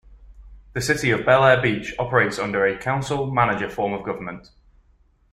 The City of Belleair Beach operates under a Council-Manager form of government.